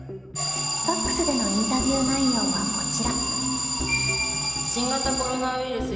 ＦＡＸでのインタビュー内容はこちら。